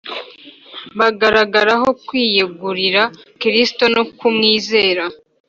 bagaragaraho kwiyegurira kristo no kumwizera